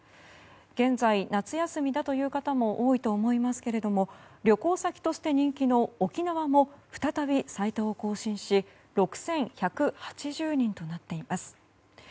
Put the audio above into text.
現在、夏休みだという方も多いと思いますけれども旅行先として人気の沖縄も再び最多を更新し６１８０人となっています。